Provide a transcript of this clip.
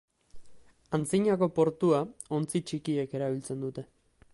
Antzinako portua ontzi txikiek erabiltzen dute.